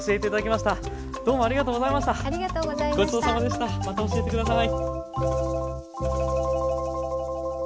また教えて下さい。